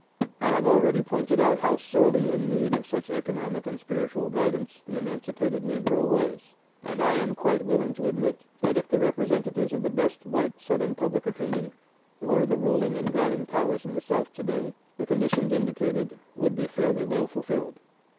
I have already pointed out how sorely in need of such economic and spiritual guidance the emancipated Negro was, and I am quite willing to admit that if the representatives of the best white Southern public opinion were the ruling and guiding powers in the South to day the conditions indicated would be fairly well fulfilled.